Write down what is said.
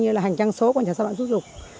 như là hành trang số quan trọng sản phẩm xuất dục